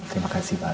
terima kasih pak